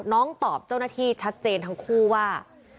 ตอบเจ้าหน้าที่ชัดเจนทั้งคู่ว่า